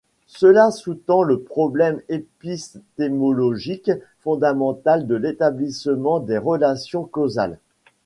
Cela sous-tend le problème épistémologique fondamental de l'établissement des relations causales.